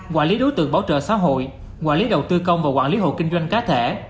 quản lý đối tượng bảo trợ xã hội quản lý đầu tư công và quản lý hộ kinh doanh cá thể